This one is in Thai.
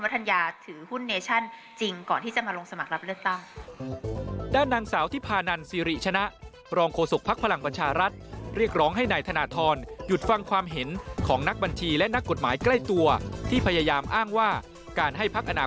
แต่เรามีหลักฐานชัดเจนว่าคุณวัฒนญา